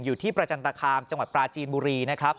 อยู่ที่ประจันตคามจังหวัดปลาจีนบุรีนะครับ